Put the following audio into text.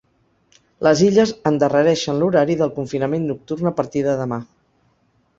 Les Illes endarrereixen l’horari del confinament nocturn a partir de demà.